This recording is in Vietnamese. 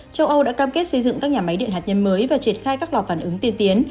châu âu đã cam kết xây dựng các nhà máy điện hạt nhân mới và triệt khai các lò phản ứng tiên tiến